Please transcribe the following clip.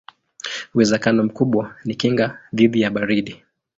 Uwezekano mkubwa ni kinga dhidi ya baridi.